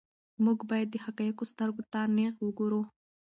موږ باید د حقایقو سترګو ته نیغ وګورو.